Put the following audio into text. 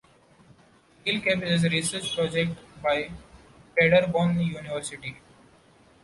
RailCab is a research project by Paderborn University.